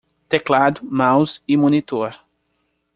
Teclado, mouse e monitor.